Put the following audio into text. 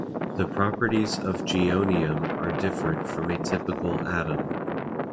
The properties of geonium are different from a typical atom.